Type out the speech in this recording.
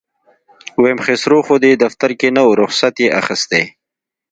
ويم خسر خو دې دفتر کې نه و رخصت يې اخېستی.